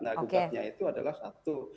nah gugatnya itu adalah satu